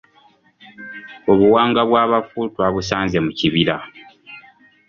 Obuwanga bw’abafu twabusanze mu kibira.